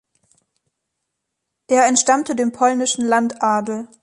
Er entstammte dem polnischen Landadel.